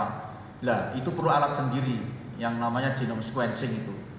nah itu perlu alat sendiri yang namanya genome sequencing itu